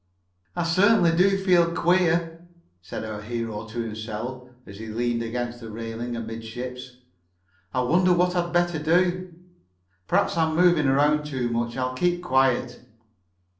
"I certainly do feel queer," said our hero to himself as he leaned against the railing amidships. "I wonder what I'd better do? Perhaps I'm moving around too much. I'll keep quiet."